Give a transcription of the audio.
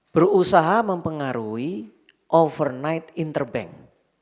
berusaha mempengaruhi overnight interbank